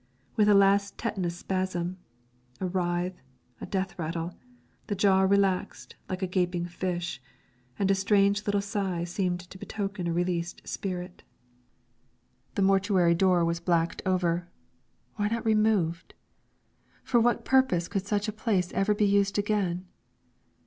With a last tetanus spasm a writhe a death rattle the jaw relaxed like a gaping fish, and a strange little sigh seemed to betoken a released spirit. The mortuary door was blacked over. Why not removed? For what purpose could such a place ever be used again?